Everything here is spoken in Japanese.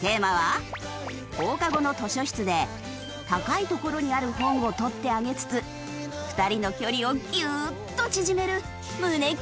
テーマは放課後の図書室で高い所にある本を取ってあげつつ２人の距離をギュッと縮める胸キュンセリフ。